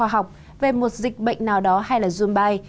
hẹn gặp lại